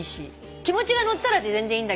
気持ちが乗ったらで全然いいんだけど。